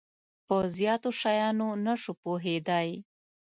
په زیاتو شیانو نه شو پوهیدای.